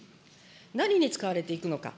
何に使われていくのか。